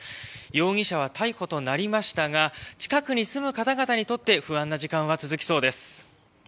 容疑者は逮捕となりましたが近くに住む方々にとって不安な時間は続きそうです。